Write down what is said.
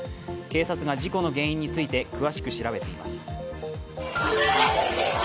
警察が事故の原因について詳しく調べています。